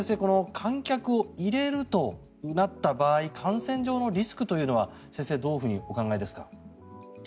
観客を入れるとなった場合感染上のリスクというのはどうお考えですか？